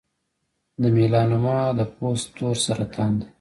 د میلانوما د پوست تور سرطان دی.